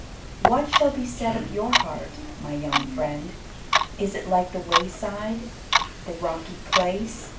What shall be said of your heart, my young friend? Is it like the wayside? the rocky place?